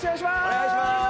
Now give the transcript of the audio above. お願いします。